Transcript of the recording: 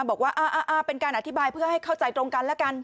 บอกว่าเป็นการอธิบายเพื่อให้เข้าใจตรงกันแล้วกัน